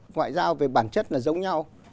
ngoại giao về bản chất là giống nhau